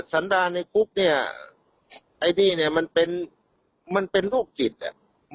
สันดาในคุกเนี่ยไอ้นี่เนี่ยมันเป็นมันเป็นโรคจิตอ่ะ